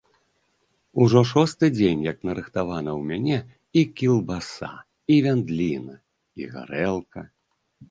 Ужо шосты дзень, як нарыхтавана ў мяне і кілбаса, і вяндліна, і гарэлка.